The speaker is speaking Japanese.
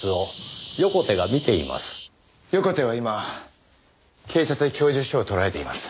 横手は今警察で供述書を取られています。